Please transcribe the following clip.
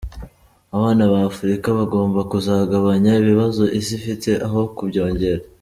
Abana ba Afurika bagomba kuzagabanya ibibazo isi ifite aho kubyongera.